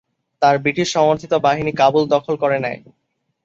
তার ব্রিটিশ সমর্থিত বাহিনী কাবুল দখল করে নেয়।